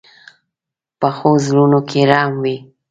پخو زړونو کې رحم وي